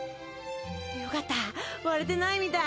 よかった割れてないみたい。